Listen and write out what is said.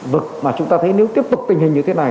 vực mà chúng ta thấy nếu tiếp tục tình hình như thế này